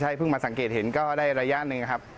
ใช่เพิ่งมาสังเกตเห็นก็ได้ระยะหนึ่งนะครับ